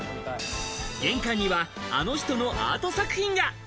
玄関には、あの人のアート作品が。